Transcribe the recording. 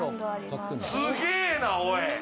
すげえな、おい。